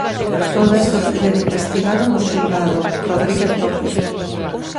Todas do taller investigado no xulgado, Rodríguez López.